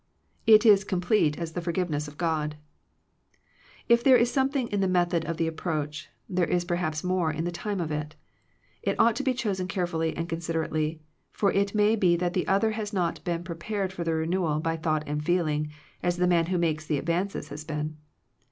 It is complete as the forgiveness of God. If there is something in the method of the approach, there is perhaps more in the time of it. It ought to be chosen carefully and considerately; for it may be that the other has not been prepared for the renewal by thought and feeling, as the man who makes the advances has been.